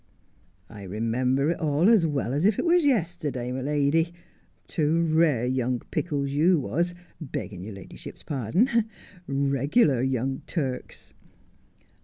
' I remember it all as well as if it was yesterday, my lady — two rare young pickles you was, begging your ladyship's pardon — regular young Turks.'